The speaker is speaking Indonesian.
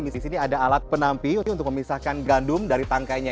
di sini ada alat penampi untuk memisahkan gandum dari tangkainya